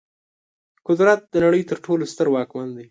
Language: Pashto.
قدرت د نړۍ تر ټولو ستر واکمن دی.